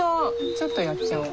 ちょっとやっちゃおう。